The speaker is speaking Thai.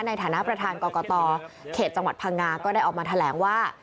ในฐานะประธานกรกตเขตจังหวัดพังงาก็ได้ออกมาแถลงว่า